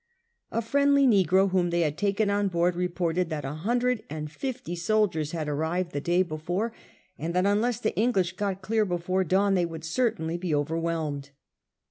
A friendly negro whom they had taken on board reported that a hundred and fifty soldiers had arrived the day before, and that unless the English got clear before dawn they would certainly be overwhelmed.